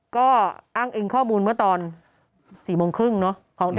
ก็อ้างอิงข้อมูลเมื่อตอน๔โมงครึ่งเนาะ